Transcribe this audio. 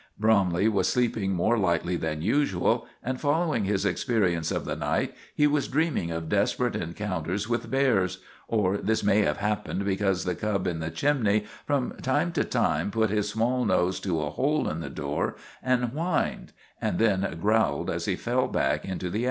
Bromley was sleeping more lightly than usual, and, following his experience of the night, he was dreaming of desperate encounters with bears; or this may have happened because the cub in the chimney from time to time put his small nose to a hole in the door and whined, and then growled as he fell back into the ashes.